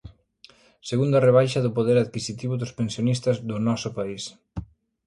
Segunda rebaixa do poder adquisitivo dos pensionistas do noso país.